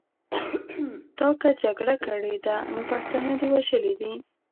تا که جګړه کړې ده نو پښتانه دې وژلي دي.